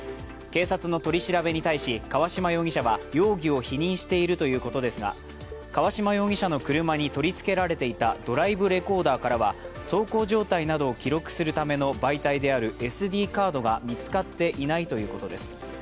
警察の取り調べに対し川島容疑者は容疑を否認しているということですが川島容疑者の車に取り付けられていたドライブレコーダーからは走行状態などを記録するための媒体であるＳＤカードが見つかっていないということです。